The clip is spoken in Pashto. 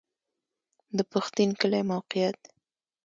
د پښتین کلی موقعیت